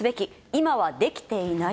今はできていないと。